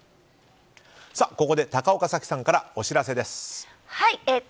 ここで高岡早紀さんからお知らせです。